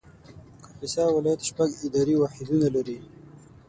کاپیسا ولایت شپږ اداري واحدونه لري